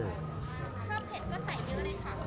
เมนู